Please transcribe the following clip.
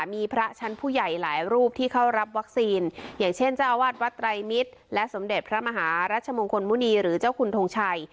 มีพระชั้นผู้ใหญ่หลายรูปที่เข้ารับวัคซีนอย่างเช่นเจ้าอาวาสวัดไตรมิตรและสมเด็จพระมหารัชมงคลมุณีหรือเจ้าคุณทงชัย